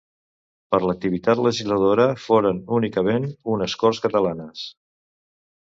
Per l'activitat legisladora foren únicament unes Corts Catalanes.